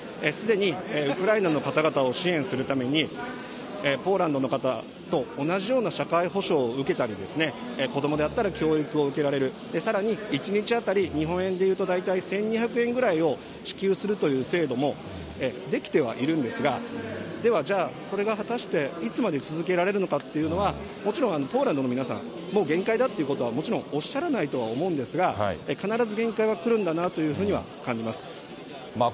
すでにウクライナの方々を支援するために、ポーランドの方と同じような社会保障を受けたり、子どもであったら教育を受けられる、さらに１日当たり、日本円でいうと大体１２００円ぐらいを支給するという制度もできてはいるんですが、では、それが果たして、いつまで続けられるのかっていうのは、もちろんポーランドの皆さん、もう限界だということは、もちろんおっしゃらないとは思うんですが、必ず限界はくるんだなというふうには感じます。